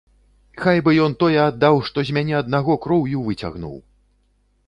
Хай бы ён тое аддаў, што з мяне аднаго кроўю выцягнуў!